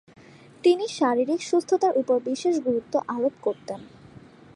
তিনি শারীরিক সুস্থতার উপর বিশেষ গুরুত্ব আরোপ করতেন।